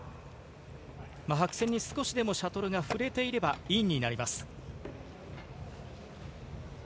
白線に少しでもシャトルが触れていれば、インになります。